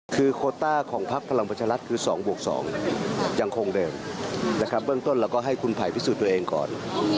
คือโคตรรัฐของภักดิ์พลังประชารัฐคือ๒บวก๒ยังคงเดิมและก็ให้คุณไผ่พิสูจน์ตัวเองก่อน